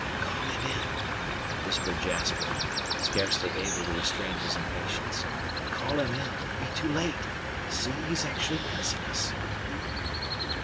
"Call him in," whispered Jasper, scarcely able to restrain his impatience, "call him in, or it will be too late! See! he is actually passing us."